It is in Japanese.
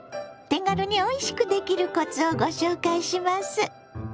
手軽においしくできるコツをご紹介します。